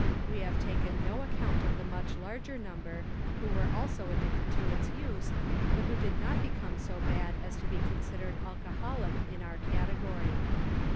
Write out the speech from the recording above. We have taken no account of the much larger number who were also ad dicted to its use, but who did not become so bad as to be considered alcoholic in our category.